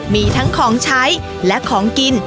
มีทั้งของใช้และของกิน